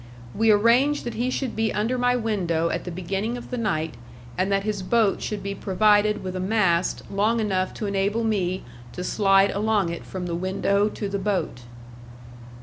We arranged that he should be under my window at the beginning of the night, and that his boat should be provided with a mast long enough to enable me to slide along it from the window to the boat.